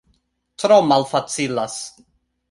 Tro malfacilas